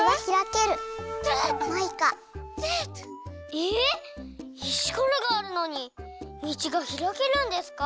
えいしころがあるのにみちがひらけるんですか？